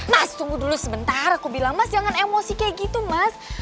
mas tunggu dulu sebentar aku bilang mas jangan emosi kayak gitu mas